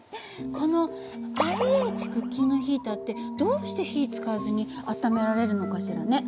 このＩＨクッキングヒーターってどうして火使わずに温められるのかしらね？